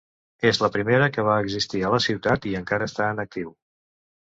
És la primera que va existir a la Ciutat i encara està en actiu.